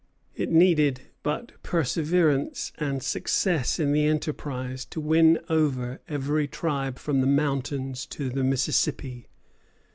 It needed but perseverance and success in the enterprise to win over every tribe from the mountains to the Mississippi.